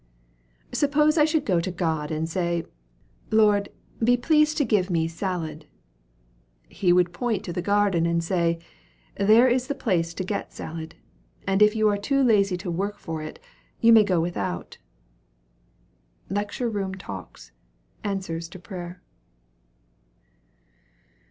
Suppose I should go to God and say, "Lord, be pleased to give me salad," he would point to the garden and say, "There is the place to get salad; and if you are too lazy to work for it, you may go without." LECTURE ROOM TALKS: 'Answers to Prayer.'